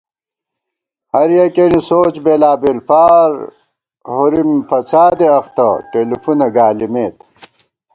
ہر یَکِیَنی سوچ بېلابېل فار ہورِم فسادے اختہ ٹېلیفُونہ گالِمېت